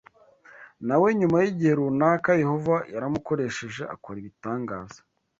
na we nyuma y’igihe runaka Yehova yaramukoresheje akora ibitangaza.